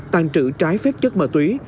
tàn trữ trái phép chất mờ túy